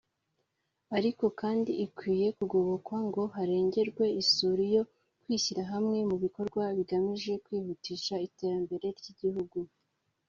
ariko kandi ikwiye kugobokwa ngo harengerwe isura yo kwishyira hamwe mu bikorwa bigamije kwihutisha iterambere ry’Igihugu